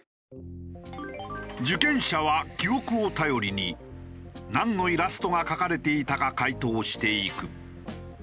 受験者は記憶を頼りになんのイラストが描かれていたか回答していく。